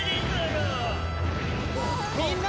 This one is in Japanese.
みんな！